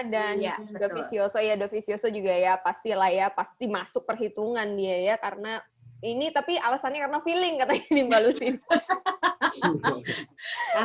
dan dovizioso ya dovizioso juga ya pastilah ya pasti masuk perhitungan dia ya karena ini tapi alasannya karena feeling katanya mbak lucia